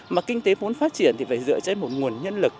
mà kinh tế muốn phát triển thì phải dựa trên một nguồn nhân lực